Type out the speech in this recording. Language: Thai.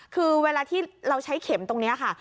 คือเวลาที่เราใช้เข็มตรงนี้ค่ะ